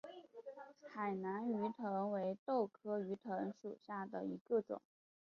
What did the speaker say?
海南鱼藤为豆科鱼藤属下的一个种。